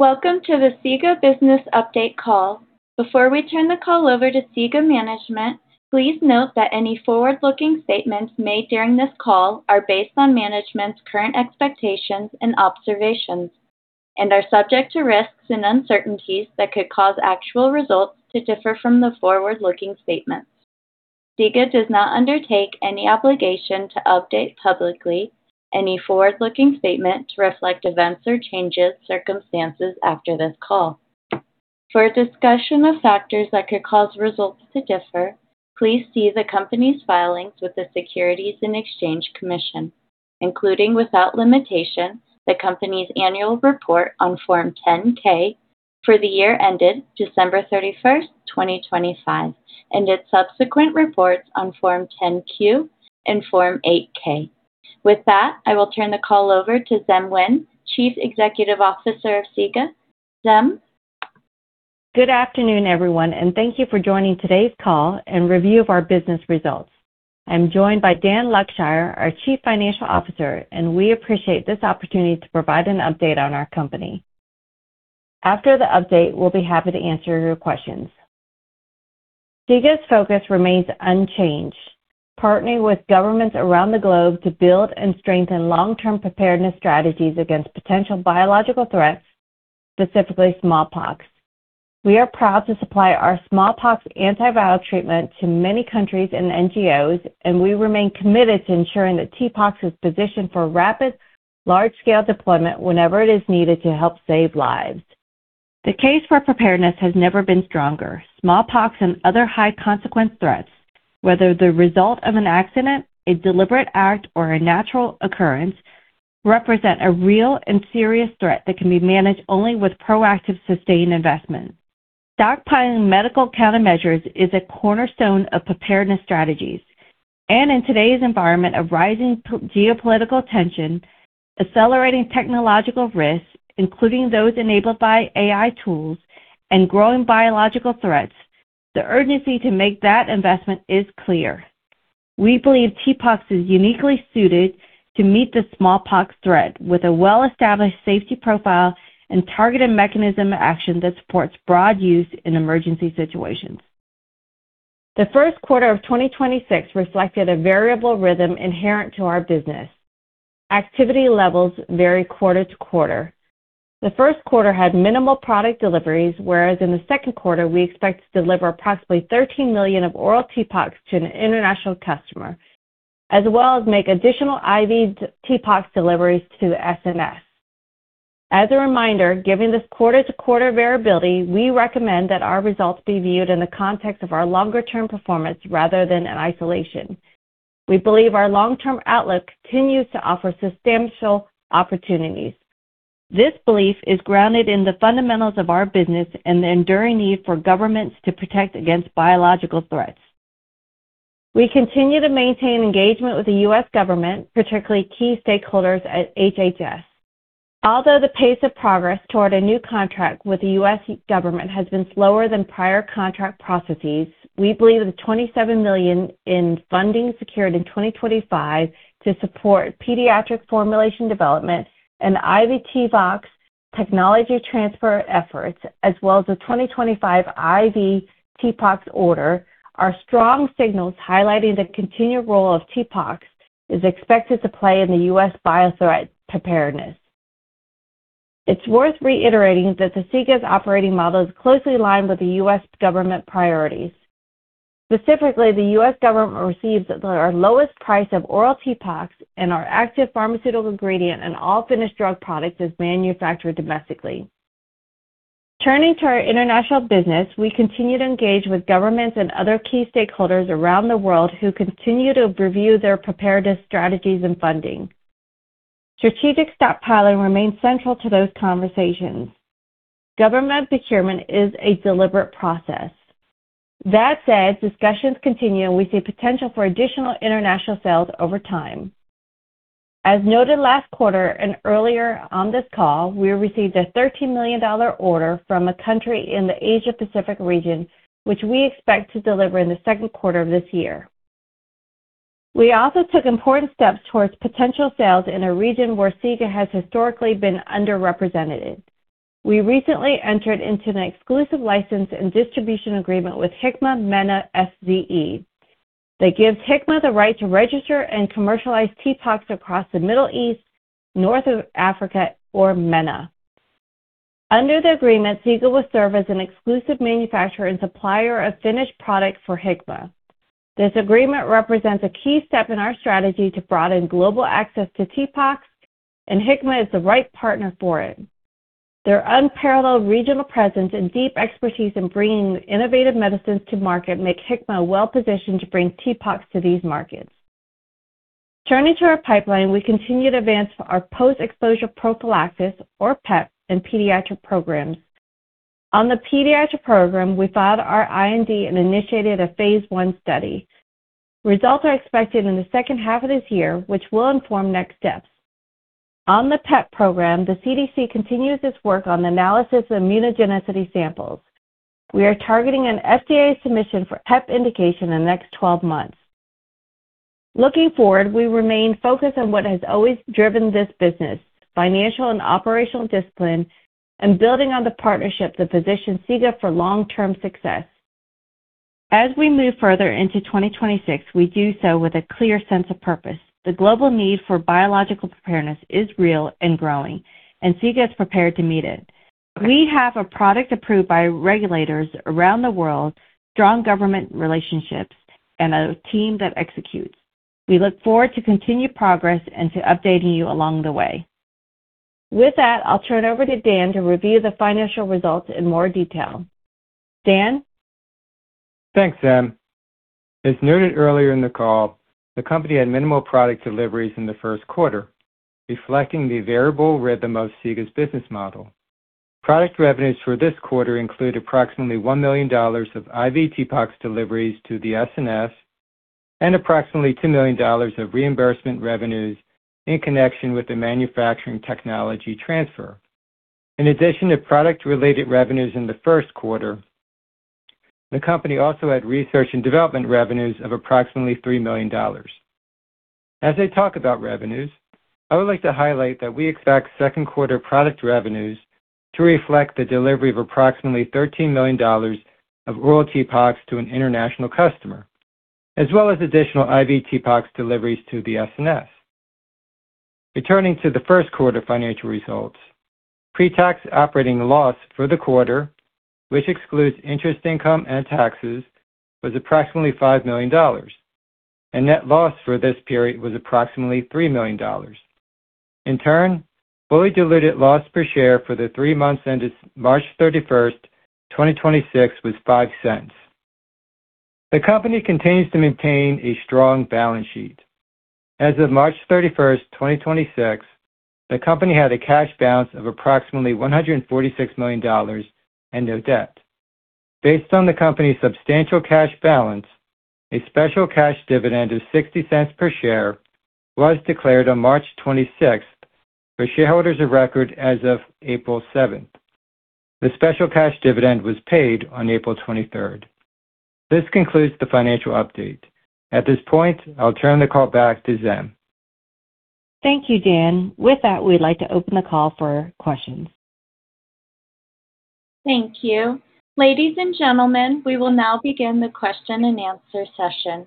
Welcome to the SIGA Business Update Call. Before we turn the call over to SIGA management, please note that any forward-looking statements made during this call are based on management's current expectations and observations and are subject to risks and uncertainties that could cause actual results to differ from the forward-looking statements. SIGA does not undertake any obligation to update publicly any forward-looking statement to reflect events or changes circumstances after this call. For a discussion of factors that could cause results to differ, please see the company's filings with the Securities and Exchange Commission, including, without limitation, the company's annual report on Form 10-K for the year ended December 31st, 2025, and its subsequent reports on Form 10-Q and Form 8-K. With that, I will turn the call over to Diem Nguyen, Chief Executive Officer of SIGA. Diem? Good afternoon, everyone, and thank you for joining today's call and review of our business results. I'm joined by Dan Luckshire, our Chief Financial Officer, and we appreciate this opportunity to provide an update on our company. After the update, we'll be happy to answer your questions. SIGA's focus remains unchanged, partnering with governments around the globe to build and strengthen long-term preparedness strategies against potential biological threats, specifically smallpox. We are proud to supply our smallpox antiviral treatment to many countries and NGOs, and we remain committed to ensuring that TPOXX is positioned for rapid, large-scale deployment whenever it is needed to help save lives. The case for preparedness has never been stronger. Smallpox and other high-consequence threats, whether the result of an accident, a deliberate act, or a natural occurrence, represent a real and serious threat that can be managed only with proactive, sustained investment. Stockpiling medical countermeasures is a cornerstone of preparedness strategies. In today's environment of rising geopolitical tension, accelerating technological risks, including those enabled by AI tools, and growing biological threats, the urgency to make that investment is clear. We believe TPOXX is uniquely suited to meet the smallpox threat with a well-established safety profile and targeted mechanism of action that supports broad use in emergency situations. The first quarter of 2026 reflected a variable rhythm inherent to our business. Activity levels vary quarter to quarter. The first quarter had minimal product deliveries, whereas in the second quarter, we expect to deliver approximately $13 million of oral TPOXX to an international customer, as well as make additional IV TPOXX deliveries to the SNS. As a reminder, given this quarter-to-quarter variability, we recommend that our results be viewed in the context of our longer-term performance rather than in isolation. We believe our long-term outlook continues to offer substantial opportunities. This belief is grounded in the fundamentals of our business and the enduring need for governments to protect against biological threats. We continue to maintain engagement with the U.S. government, particularly key stakeholders at HHS. Although the pace of progress toward a new contract with the U.S. government has been slower than prior contract processes, we believe the $27 million in funding secured in 2025 to support pediatric formulation development and IV TPOXX technology transfer efforts, as well as the 2025 IV TPOXX order are strong signals highlighting the continued role of TPOXX is expected to play in the U.S. biothreat preparedness. It's worth reiterating that the SIGA's operating model is closely aligned with the U.S. government priorities. Specifically, the U.S. government receives our lowest price of oral TPOXX and our active pharmaceutical ingredient and all finished drug products is manufactured domestically. Turning to our international business, we continue to engage with governments and other key stakeholders around the world who continue to review their preparedness strategies and funding. Strategic stockpiling remains central to those conversations. Government procurement is a deliberate process. That said, discussions continue, and we see potential for additional international sales over time. As noted last quarter and earlier on this call, we received a $13 million order from a country in the Asia Pacific region, which we expect to deliver in the second quarter of this year. We also took important steps towards potential sales in a region where SIGA has historically been underrepresented. We recently entered into an exclusive license and distribution agreement with Hikma MENA FZE that gives Hikma the right to register and commercialize TPOXX across the Middle East, North Africa or MENA. Under the agreement, SIGA will serve as an exclusive manufacturer and supplier of finished product for Hikma. This agreement represents a key step in our strategy to broaden global access to TPOXX. Hikma is the right partner for it. Their unparalleled regional presence and deep expertise in bringing innovative medicines to market make Hikma well-positioned to bring TPOXX to these markets. Turning to our pipeline, we continue to advance our post-exposure prophylaxis or PEP and pediatric programs. On the pediatric program, we filed our IND and initiated a phase I study. Results are expected in the second half of this year, which will inform next steps. On the PEP program, the CDC continues its work on analysis of immunogenicity samples. We are targeting an FDA submission for PEP indication in the next 12 months. Looking forward, we remain focused on what has always driven this business, financial and operational discipline, and building on the partnership that positions SIGA for long-term success. As we move further into 2026, we do so with a clear sense of purpose. The global need for biological preparedness is real and growing, and SIGA is prepared to meet it. We have a product approved by regulators around the world, strong government relationships, and a team that executes. We look forward to continued progress and to updating you along the way. With that, I'll turn it over to Dan to review the financial results in more detail. Dan? Thanks, Diem. As noted earlier in the call, the company had minimal product deliveries in the first quarter, reflecting the variable rhythm of SIGA's business model. Product revenues for this quarter include approximately $1 million of IV TPOXX deliveries to the SNS and approximately $2 million of reimbursement revenues in connection with the manufacturing technology transfer. In addition to product-related revenues in the first quarter, the company also had research and development revenues of approximately $3 million. As I talk about revenues, I would like to highlight that we expect second quarter product revenues to reflect the delivery of approximately $13 million of oral TPOXX to an international customer, as well as additional IV TPOXX deliveries to the SNS. Returning to the first quarter financial results, pre-tax operating loss for the quarter, which excludes interest income and taxes, was approximately $5 million, and net loss for this period was approximately $3 million. In turn, fully diluted loss per share for the three months ended March 31st, 2026 was $0.05. The company continues to maintain a strong balance sheet. As of March 31st, 2026, the company had a cash balance of approximately $146 million and no debt. Based on the company's substantial cash balance, a special cash dividend of $0.60 per share was declared on March 26 for shareholders of record as of April 7. The special cash dividend was paid on April 23rd. This concludes the financial update. At this point, I'll turn the call back to Diem. Thank you, Dan. With that, we'd like to open the call for questions. Thank you. Ladies and gentlemen, we will now begin the question and answer session.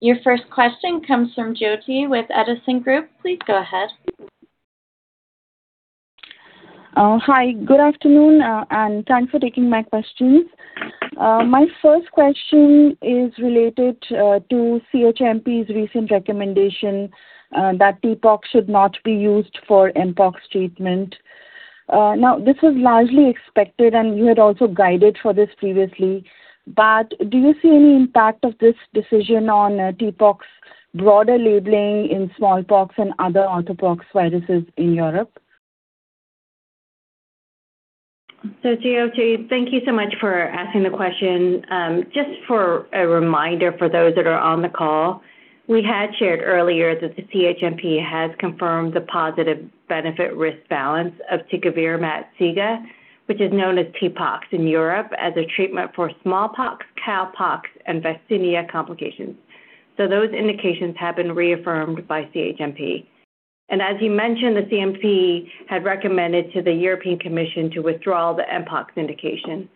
Your first question comes from Jyoti with Edison Group. Please go ahead. Hi. Good afternoon, and thanks for taking my questions. My first question is related to CHMP's recent recommendation that TPOXX should not be used for mpox treatment. Now this was largely expected, and you had also guided for this previously. Do you see any impact of this decision on TPOXX broader labeling in smallpox and other orthopoxviruses in Europe? Jyoti, thank you so much for asking the question. Just for a reminder for those that are on the call, we had shared earlier that the CHMP has confirmed the positive benefit risk balance of Tecovirimat SIGA, which is known as TPOXX in Europe as a treatment for smallpox, cowpox, and vaccinia complications. Those indications have been reaffirmed by CHMP. As you mentioned, the CHMP had recommended to the European Commission to withdraw the mpox indication.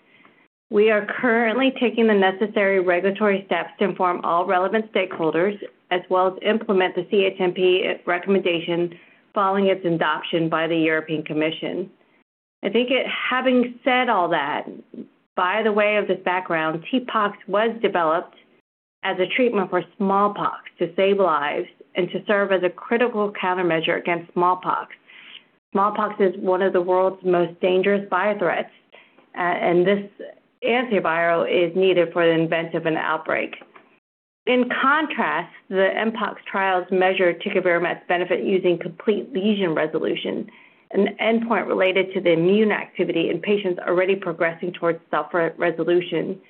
We are currently taking the necessary regulatory steps to inform all relevant stakeholders as well as implement the CHMP recommendation following its adoption by the European Commission. Having said all that, by the way of this background, TPOXX was developed as a treatment for smallpox to save lives and to serve as a critical countermeasure against smallpox. Smallpox is one of the world's most dangerous biothreats, and this antiviral is needed for the event of an outbreak. In contrast, the mpox trials measure Tecovirimat's benefit using complete lesion resolution, an endpoint related to the immune activity in patients already progressing towards self-resolution.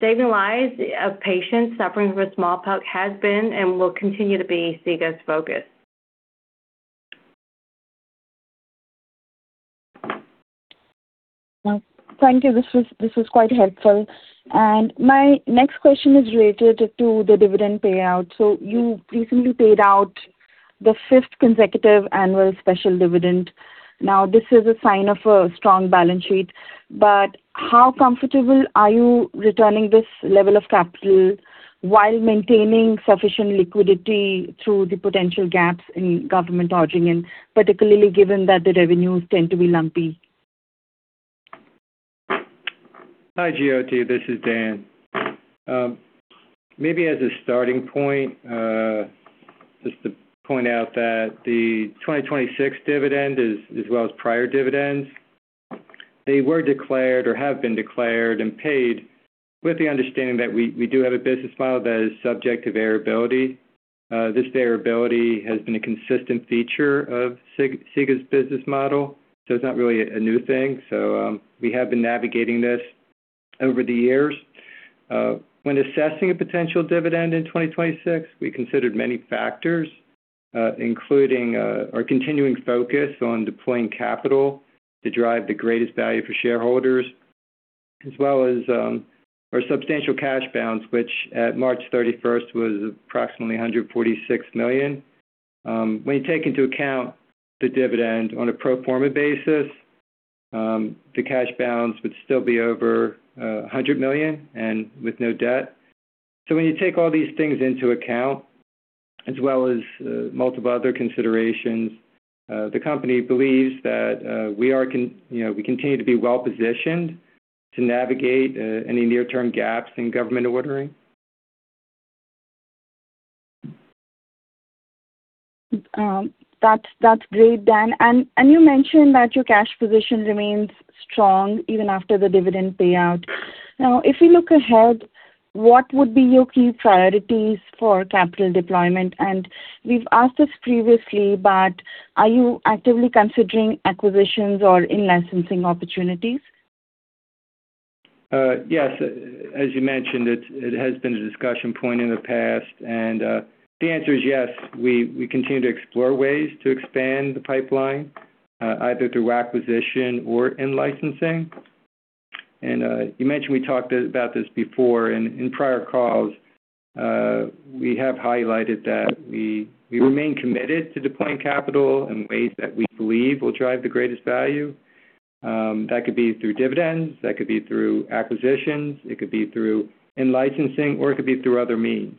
Saving lives of patients suffering from smallpox has been and will continue to be SIGA's focus. Thank you. This is quite helpful. My next question is related to the dividend payout. You recently paid out the fifth consecutive annual special dividend. This is a sign of a strong balance sheet, but how comfortable are you returning this level of capital while maintaining sufficient liquidity through the potential gaps in government ordering, and particularly given that the revenues tend to be lumpy? Hi, Jyoti, this is Dan. Maybe as a starting point, just to point out that the 2026 dividend as well as prior dividends, they were declared or have been declared and paid with the understanding that we do have a business model that is subject to variability. This variability has been a consistent feature of SIGA's business model. It's not really a new thing. We have been navigating this over the years. When assessing a potential dividend in 2026, we considered many factors, including our continuing focus on deploying capital to drive the greatest value for shareholders, as well as our substantial cash balance, which at March 31st was approximately $146 million. When you take into account the dividend on a pro forma basis, the cash balance would still be over $100 million and with no debt. When you take all these things into account, as well as multiple other considerations, the company believes that, you know, we continue to be well-positioned to navigate any near-term gaps in government ordering. That's great, Dan. And you mentioned that your cash position remains strong even after the dividend payout. Now, if we look ahead, what would be your key priorities for capital deployment? We've asked this previously, but are you actively considering acquisitions or in-licensing opportunities? Yes. As you mentioned, it has been a discussion point in the past, and the answer is yes. We continue to explore ways to expand the pipeline, either through acquisition or in-licensing. You mentioned we talked about this before and in prior calls, we have highlighted that we remain committed to deploying capital in ways that we believe will drive the greatest value. That could be through dividends, that could be through acquisitions, it could be through in-licensing, or it could be through other means.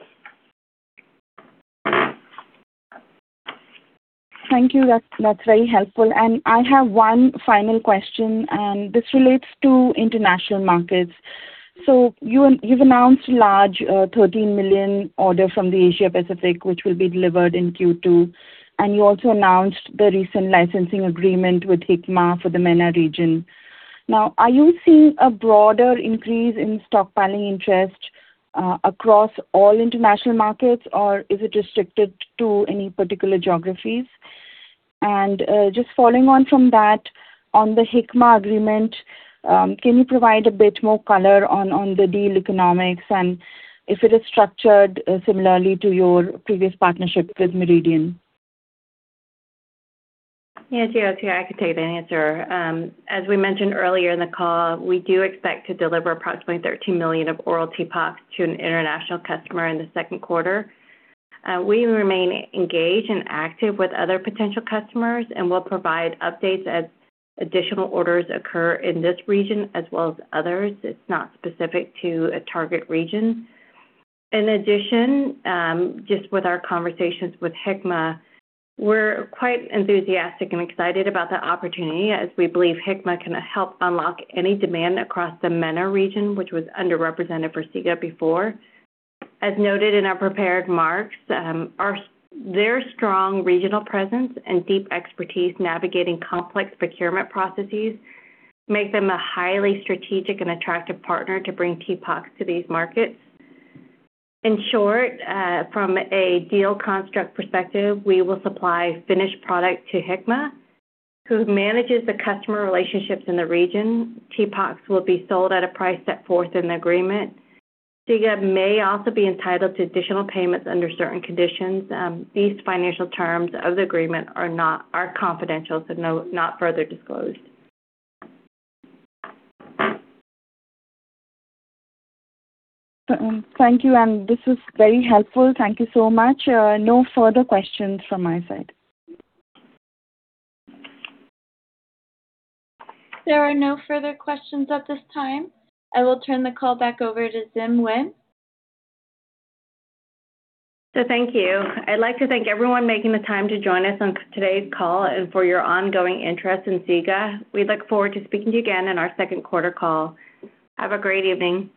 Thank you. That's very helpful. I have one final question. This relates to international markets. You've announced a large, $13 million order from the Asia Pacific, which will be delivered in Q2. You also announced the recent licensing agreement with Hikma for the MENA region. Are you seeing a broader increase in stockpiling interest across all international markets, or is it restricted to any particular geographies? Just following on from that, on the Hikma agreement, can you provide a bit more color on the deal economics? If it is structured similarly to your previous partnership with Meridian? Yes, yeah. Jyoti, I can take that answer. As we mentioned earlier in the call, we do expect to deliver approximately 13 million oral TPOXX to an international customer in the second quarter. We remain engaged and active with other potential customers and will provide updates as additional orders occur in this region as well as others. It's not specific to a target region. In addition, just with our conversations with Hikma, we're quite enthusiastic and excited about the opportunity as we believe Hikma can help unlock any demand across the MENA region, which was underrepresented for SIGA before. As noted in our prepared remarks, Their strong regional presence and deep expertise navigating complex procurement processes make them a highly strategic and attractive partner to bring TPOXX to these markets. In short, from a deal construct perspective, we will supply finished product to Hikma, who manages the customer relationships in the region. TPOXX will be sold at a price set forth in the agreement. SIGA may also be entitled to additional payments under certain conditions. These financial terms of the agreement are confidential, so no, not further disclosed. Thank you. This is very helpful. Thank you so much. No further questions from my side. There are no further questions at this time. I will turn the call back over to Diem Nguyen. Thank you. I'd like to thank everyone making the time to join us on today's call and for your ongoing interest in SIGA. We look forward to speaking to you again in our second quarter call. Have a great evening.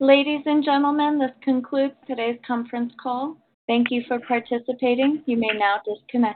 Ladies and gentlemen, this concludes today's conference call. Thank you for participating. You may now disconnect.